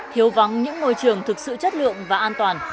thiếu vắng những môi trường thực sự chất lượng và an toàn